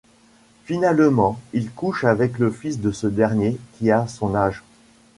Finalement il couche avec le fils de ce dernier qui a son âge.